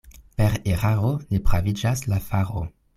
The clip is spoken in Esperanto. Per eraro ne praviĝas la faro.